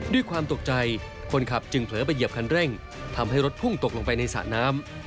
ด้วยความตกใจคนขับจึงเผลอไปเหยียบคันเร่งทำให้รถพุ่งตกลงไปในสระน้ำ